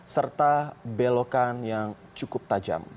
serta belokan yang cukup tajam